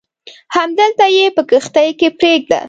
همدلته یې په کښتۍ کې پرېږده.